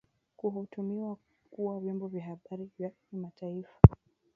kutuhumiwa kuwa vyombo vya habari vya kimataifa